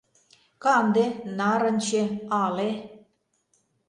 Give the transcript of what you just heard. Канде, нарынче, алэ